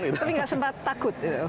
tidak takut itu